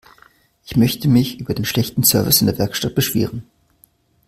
Ich möchte mich über den schlechten Service in der Werkstatt beschweren.